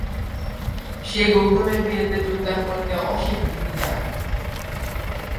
সে গৌতমের বিয়েতে যোগদান করতে অস্বীকৃতি জানায়।